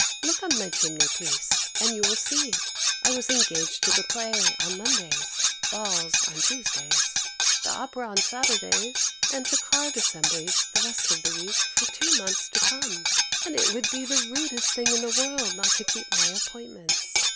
Look on my chimney piece, and you will see I was engaged to the play on Mondays, balls on Tuesdays, the opera on Saturdays, and to card assemblies the rest of the week, for two months to come; and it would be the rudest thing in the world not to keep my appointments.